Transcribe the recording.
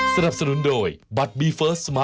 สวัสดีค่ะ